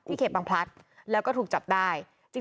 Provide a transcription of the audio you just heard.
เขตบางพลัดแล้วก็ถูกจับได้